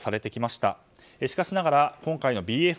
しかしながら、今回のＢＡ．５。